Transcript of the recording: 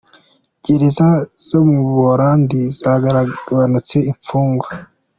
Gereza zo mu Buholandi zagabanutsemo imfungwa.